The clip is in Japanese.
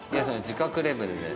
自覚レベルで。